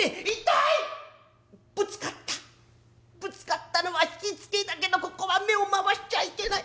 ぶつかったのは引付だけどここは目を回しちゃいけない。